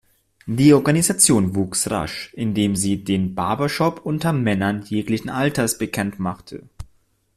Die Organisation wuchs rasch, indem sie den Barbershop unter Männern jeglichen Alters bekanntmachte.